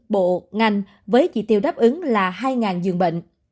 bộ ngành với chỉ tiêu đáp ứng là hai dường bệnh